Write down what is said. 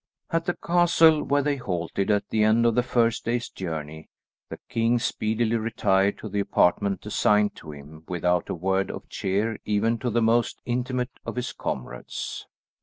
At the castle where they halted at the end of the first day's journey, the King speedily retired to the apartment assigned to him without a word of cheer even to the most intimate of his comrades.